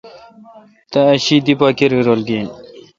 تا اک شی دی پا کری رل گین۔